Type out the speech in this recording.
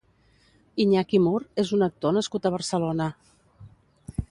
Iñaki Mur és un actor nascut a Barcelona.